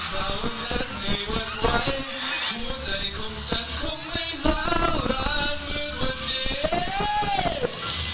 ถ้าวันนั้นไม่วันไหวหัวใจของฉันคงไม่ร้าวร้านเหมือนวันที่